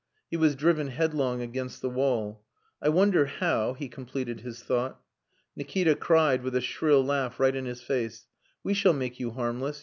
He was driven headlong against the wall. "I wonder how," he completed his thought. Nikita cried, with a shrill laugh right in his face, "We shall make you harmless.